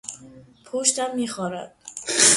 پشتم میخارد.